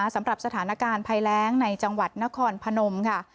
สำหรับสถานการณ์ภัยแรงในจังหวัดนครพนมค่ะ